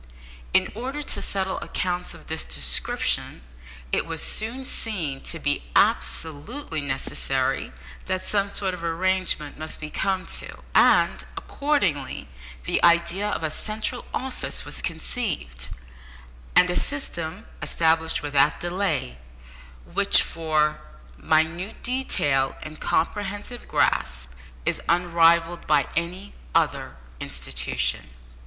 In order to settle accounts of this description, it was soon seen to be absolutely necessary that some sort of arrangement must be come to, and, accordingly, the idea of a central office was conceived, and a system established without delay, which, for minute detail and comprehensive grasp, is unrivalled by any other institution.